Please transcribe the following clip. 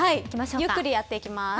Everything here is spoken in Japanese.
ゆっくりやっていきます。